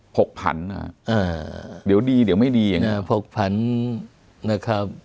ผกผันเดี๋ยวดีเดี๋ยวไม่ดีอย่างนี้